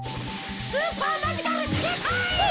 スーパーマジカルシュート！